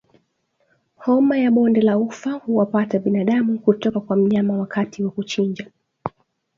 Homa ya bonde la ufa huwapata binadamu kutoka kwa mnyama wakati wa kuchinja